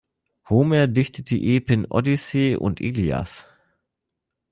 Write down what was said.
Homer dichtete die Epen-Odyssee und Ilias.